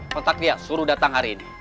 kontak dia suruh datang hari ini